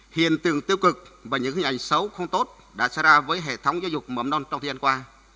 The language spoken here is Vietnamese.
hiện tượng tiêu cực và những hình ảnh xấu không tốt đã xảy ra với hệ thống giáo dục mầm non trong thời gian qua